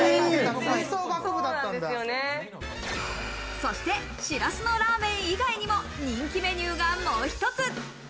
そして、しらすのラーメン以外にも人気メニューがもう一つ。